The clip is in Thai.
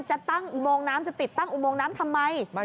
จะตั้งอุโมงน้ำจะติดตั้งอุโมงน้ำทำไม